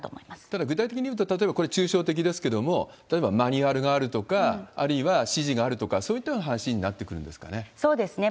ただ、具体的に言うと、例えばこれ、抽象的ですけれども、例えばマニュアルがあるとか、あるいは指示があるとか、そういったような話になってくるんですかね？